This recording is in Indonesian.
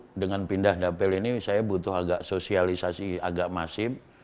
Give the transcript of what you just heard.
nah dengan pindah dapil ini saya butuh agak sosialisasi agak masif